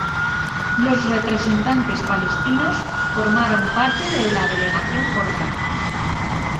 Los representantes palestinos formaron parte de la Delegación jordana.